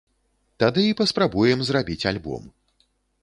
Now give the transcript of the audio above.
Тады і паспрабуем зрабіць альбом.